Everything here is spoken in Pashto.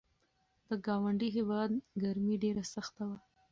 د ګاونډي هیواد ګرمي ډېره سخته وه.